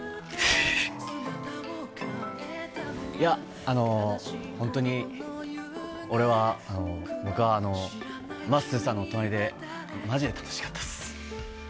いや、本当に俺は、僕はまっすーさんの隣で、まじで楽しかったです。